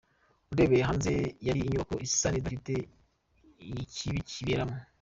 Urebeye hanze yari inyubako isa n’idafite ikibi kiberamo.